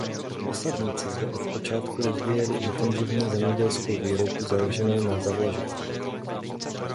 Osadníci zde od počátku rozvíjeli intenzivní zemědělskou výrobu založenou na zavlažování.